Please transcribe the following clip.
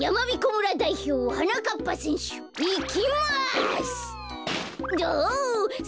村だいひょうはなかっぱせんしゅいきます！